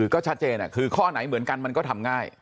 ก็ชัดเจนคือข้อไหนเหมือนกันมันก็ทำง่าย